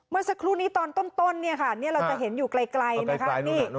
เมื่อสักครู่นี้ตอนต้นเนี่ยค่ะนี่เราจะเห็นอยู่ไกลนะคะ